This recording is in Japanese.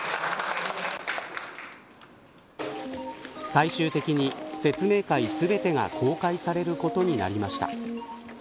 最終的に説明会全てが公開されることになりました。